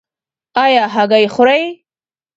ایا هګۍ خورئ؟